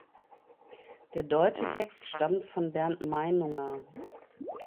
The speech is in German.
Der deutsche Text stammt von Bernd Meinunger.